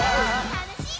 たのしい